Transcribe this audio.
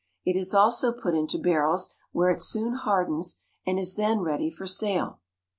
It is also put into barrels, where it soon hardens, and is then ready for sale.